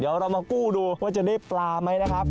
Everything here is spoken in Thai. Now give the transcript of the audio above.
เดี๋ยวเรามากู้ดูว่าจะได้ปลาไหมนะครับ